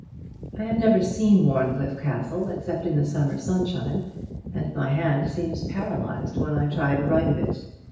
I have never seen Warncliffe Castle except in the summer sunshine, and my hand seems paralyzed when I try to write of it.